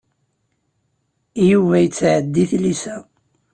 Yuba yettɛeddi i tlisa.